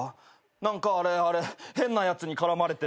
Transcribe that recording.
何かあれあれ変なやつに絡まれてる。